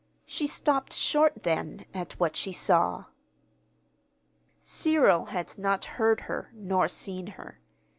She stopped short, then, at what she saw. Cyril had not heard her, nor seen her.